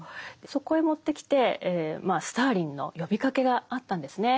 そこへもってきてスターリンの呼びかけがあったんですね。